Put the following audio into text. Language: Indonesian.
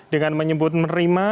dengan menyebut menerima